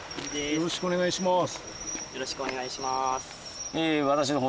よろしくお願いします。